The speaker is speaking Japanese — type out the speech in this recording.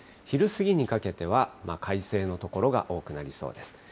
昼過ぎにかけては、快晴の所が多くなりそうです。